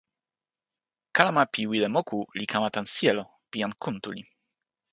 kalama pi wile moku li kama tan sijelo pi jan Kuntuli.